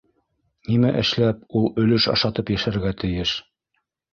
Нимә эшләп ул өлөш ашатып йәшәргә тейеш?!